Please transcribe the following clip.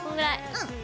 うん。